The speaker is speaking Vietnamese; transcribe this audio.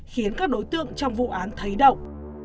khiến các đối tượng trong vụ án thấy động